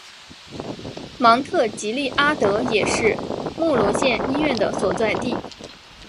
芒特吉利阿德也是莫罗县医院的所在地。